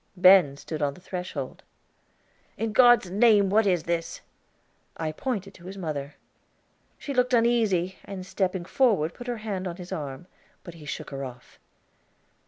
Ben stood on the threshhold. "In God's name, what is this?" I pointed to his mother. She looked uneasy, and stepping forward put her hand on his arm; but he shook her off.